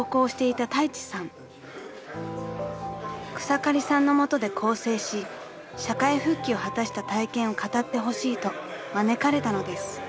［草刈さんの下で更生し社会復帰を果たした体験を語ってほしいと招かれたのです］